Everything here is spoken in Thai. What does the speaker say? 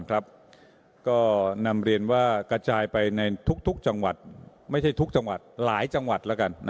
ก็นำเรียนว่ากระจายไปในทุกจังหวัดไม่ใช่ทุกจังหวัดหลายจังหวัดแล้วกัน